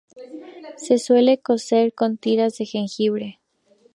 Se suele cocer con tiras de jengibre.